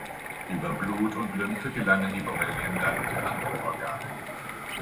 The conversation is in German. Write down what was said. Über Blut und Lymphe gelangen die Borrelien dann in andere Organe.